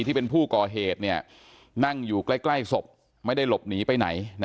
ที่เป็นผู้ก่อเหตุนั่งอยู่ใกล้ศพไม่ได้หลบหนีไปไหน